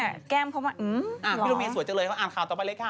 อ่านี่เป็นปีโรเมดสวยเจ้าเลยอ่านข่าวต่อไปเลยค่ะ